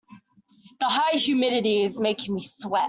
The high humidity is making me sweat.